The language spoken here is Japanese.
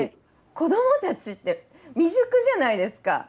子どもたちって未熟じゃないですか。